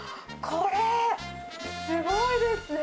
これ、すごいですね。